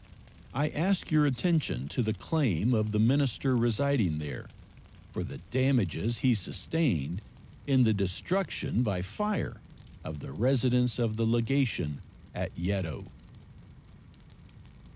I ask your attention to the claim of the minister residing there for the damages he sustained in the destruction by fire of the residence of the legation at Yedo.